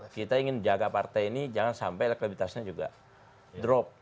kita ingin jaga partai ini jangan sampai elektabilitasnya juga drop